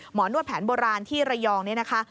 นวดแผนโบราณที่ระยองนี้นะคะ